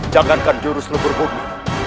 jangankan jurus lukur bumi